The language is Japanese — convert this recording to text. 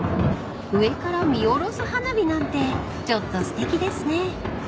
［上から見下ろす花火なんてちょっとすてきですね］